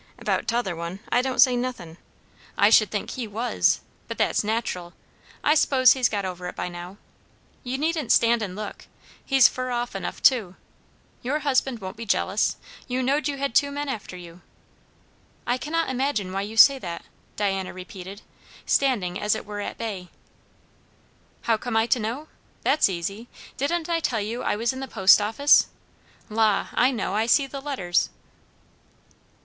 About the 'tother one I don't say nothin'. I should think he was, but that's nat'ral. I s'pose he's got over it by now. You needn't stand and look. He's fur enough off, too. Your husband won't be jealous. You knowed you had two men after you." "I cannot imagine why you say that," Diana repeated, standing as it were at bay. "How I come to know? That's easy. Didn't I tell you I was in the post office? La, I know, I see the letters."